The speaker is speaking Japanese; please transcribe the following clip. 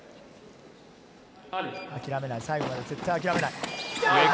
諦めない、最後まで諦めない。